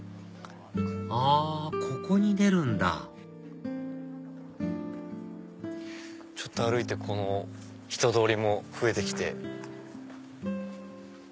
あここに出るんだちょっと歩いて人通りも増えてきて。